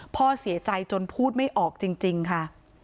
พ่อเสียใจจนพูดไม่ออกจริงค่ะ